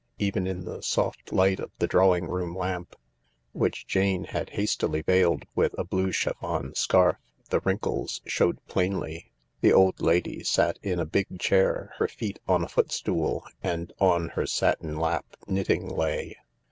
Even in the soft light of the drawing room lamp, which Jane had hastily veiled with a blue chiffon scarf, the wrinkles showed plainly. The old lady sat in a big chair, her feet on a footstool, and on her satin lap knitting lay.